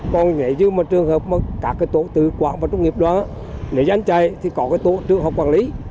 còn như trường hợp các cái tổ tư quản và trung nghiệp đoàn nếu dành chạy thì có cái tổ tư họ quản lý